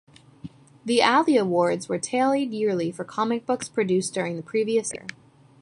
The Alley Awards were tallied yearly for comic books produced during the previous year.